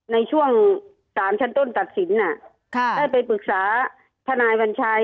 ในช่วงสารชั้นต้นตัดสินได้ไปปรึกษาทนายวัญชัย